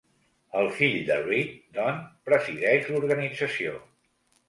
El fill de Reed, Don, presideix l'organització.